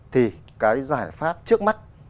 thì cái giải pháp trước mắt